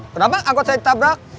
kenapa angkot saya ditabrak